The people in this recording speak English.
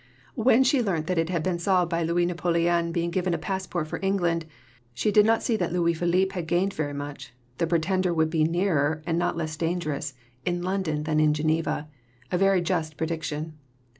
When she learnt that it had been solved by Louis Napoleon being given a passport for England, she did not see that Louis Philippe had gained very much; the pretender would be nearer, and not less dangerous, in London than in Geneva a very just prediction.